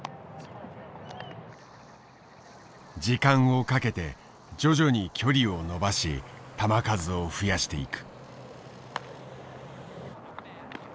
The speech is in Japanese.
時間をかけて徐々に距離を伸ばし球数を増やしていく。